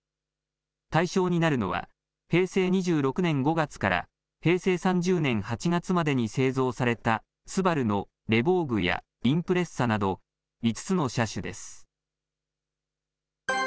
対象になるのは、平成２６年５月から平成３０年８月までに製造されたＳＵＢＡＲＵのレヴォーグやインプレッサなど、５つの車種です。